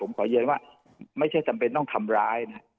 ผมขอเรียนว่าไม่ใช่จำเป็นต้องทำร้ายนะ